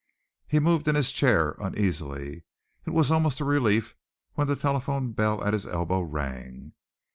He moved in his chair uneasily. It was almost a relief when the telephone bell at his elbow rang.